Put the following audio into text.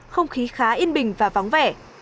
không khí khá yên bình và vắng vẻ